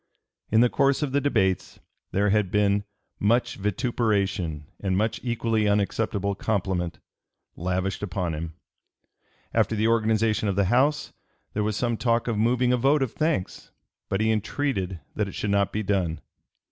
In the course of the debates there had been "much vituperation and much equally unacceptable compliment" lavished upon him. After the organization of the House, there was some talk of moving a vote of thanks, but he entreated that it should not be done.